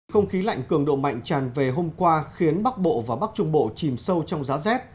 không khí lạnh cường độ mạnh tràn về hôm qua khiến bắc bộ và bắc trung bộ chìm sâu trong giá rét